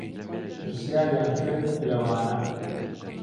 پرسیاریان کرد له وانه